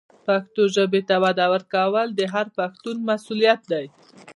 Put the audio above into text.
پښتو ژبې ته وده ورکول د هر پښتون مسؤلیت دی.